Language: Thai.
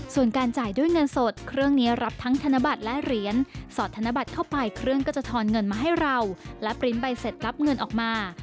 ส่วนการจ่ายด้วยเงินสดเครื่องนี้รับทั้งธนบัตรและเหรียญสอดธนบัตรเข้าไปเครื่องก็จะทอนเงินมาให้เราและปริ้นต์ใบเสร็จรับเงินออกมา